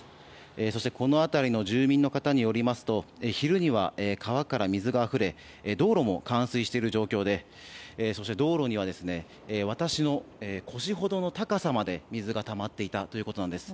そして、この辺りの住民の方によりますと昼には川から水があふれ道路も冠水している状況でそして道路には私の腰ほどの高さまで水がたまっていたということなんです。